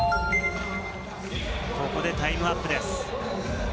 ここでタイムアップです。